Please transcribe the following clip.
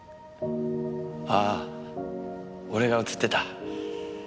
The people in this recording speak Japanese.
あぁ俺が映ってた？